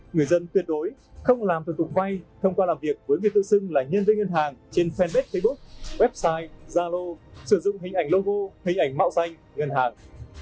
người dân tuyệt đối không làm thủ tục vay thông qua làm việc với người tự xưng là nhân viên ngân hàng trên fanpage facebook zalo sử dụng hình ảnh logo hình ảnh mạo danh ngân hàng